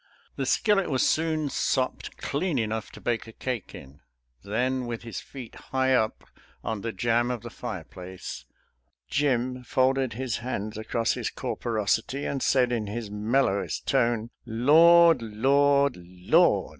The skillet was soon sopped clean enough to bake a cake in. Then, with his feet high up on the jamb of the fireplace, Jim folded his hands across his corporosity and said in his mellowest tone, "Lord! Lord! Lord!